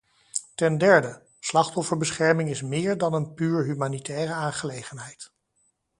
Ten derde: slachtofferbescherming is meer dan een puur humanitaire aangelegenheid.